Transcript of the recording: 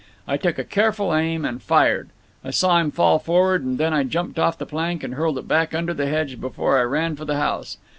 "I took a careful aim and fired. I saw him fall forward, and then I jumped off the plank and hurled it back under the hedge before I ran for the house.